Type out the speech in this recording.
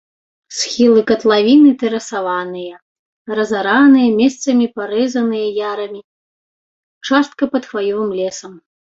Схілы катлавіны тэрасаваныя, разараныя, месцамі парэзаныя ярамі, частка пад хваёвым лесам.